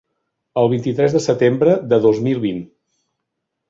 El vint-i-tres de setembre de dos mil vint.